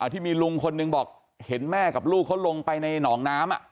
ที่มีลุงคนหนึ่งบอกเห็นแม่กับลูกเขาลงไปในหนองน้ำ